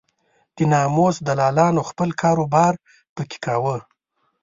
د ناموس دلالانو خپل کار و بار په کې کاوه.